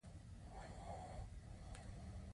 یا به په ځانګړو ودانیو کې ساتل کېدل.